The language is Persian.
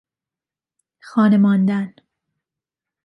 خانه ماندن